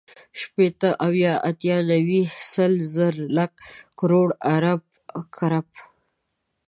شپېته، اويا، اتيا، نيوي، سل، زر، لک، کروړ، ارب، کرب